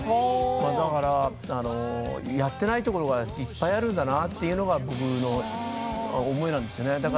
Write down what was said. だからやっていないところがいっぱいあるんだなというのが自分の思いなんですね。